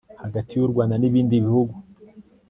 hagati y'u rwanda n'ibindi bihugu